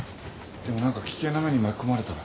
でも何か危険な目に巻き込まれたら。